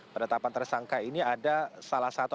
penetapan tersangka ini ada salah satu